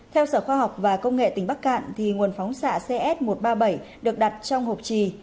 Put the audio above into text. theo sở khoa học và công nghệ tỉnh bắc cạn nguồn phóng xạ cs một trăm ba mươi bảy được đặt trong hộp trì